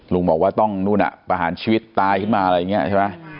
ลุงบอกว่าต้องู้่นั้นประหารชีวิตตายมาอะไรอย่างนี้ใช่มั้ย